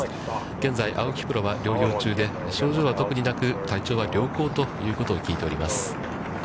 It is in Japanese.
現在青木プロは療養中で、症状は特になく、体調は良好ということを聞いております。